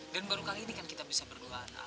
dan baru kali ini kan kita bisa berduaan al